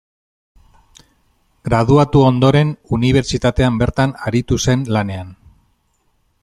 Graduatu ondoren, unibertsitatean bertan aritu zen lanean.